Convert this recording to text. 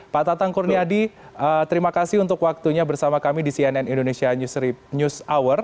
pak tatang kurniadi terima kasih untuk waktunya bersama kami di cnn indonesia news hour